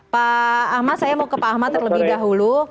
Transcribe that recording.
pak ahmad saya mau ke pak ahmad terlebih dahulu